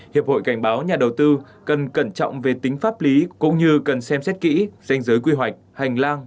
hiệp hội cảnh báo nhà đầu tư cần cẩn trọng về tính pháp lý cũng như cần xem xét kỹ danh giới quy hoạch hành lang